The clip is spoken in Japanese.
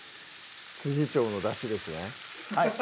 調のだしですね